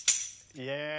イエーイ。